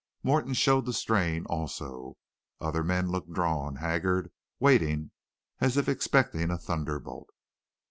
Morton showed the strain, also. Other men looked drawn, haggard, waiting as if expecting a thunderbolt.